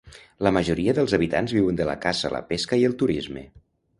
La majoria dels habitants viuen de la caça, la pesca i el turisme.